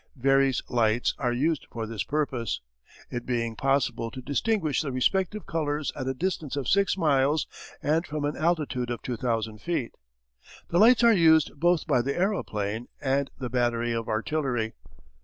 Very's lights are used for this purpose, it being possible to distinguish the respective colours at a distance of six miles and from an altitude of 2,000 feet. The lights are used both by the aeroplane and the battery of artillery.